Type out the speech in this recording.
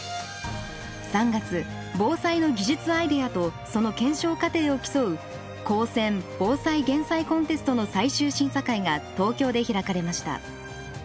３月防災の技術アイデアとその検証過程を競う「高専防災減災コンテスト」の最終審査会が東京で開かれました。